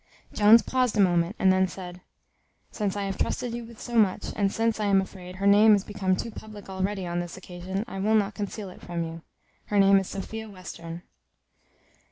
Jones paused a moment, and then said, "Since I have trusted you with so much, and since, I am afraid, her name is become too publick already on this occasion, I will not conceal it from you. Her name is Sophia Western."